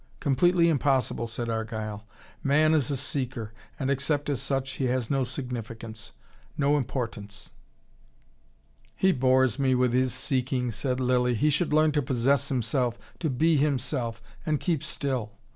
Completely impossible!" said Argyle. "Man is a seeker, and except as such, he has no significance, no importance." "He bores me with his seeking," said Lilly. "He should learn to possess himself to be himself and keep still."